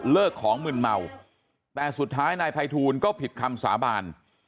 ของมึนเมาแต่สุดท้ายนายภัยทูลก็ผิดคำสาบาน